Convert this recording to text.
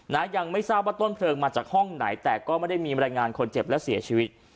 ยังไม่ทราบว่าต้นเพลิงมาจากห้องไหนแต่ก็ไม่ได้มีบรรยายงานคนเจ็บและเสียชีวิต